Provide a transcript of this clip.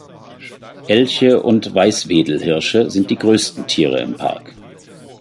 Elche und Weißwedelhirsche sind die größten Tiere im Park.